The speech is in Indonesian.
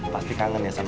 pasti kangen ya sama akang